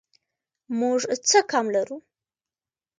موږ څه کم لرو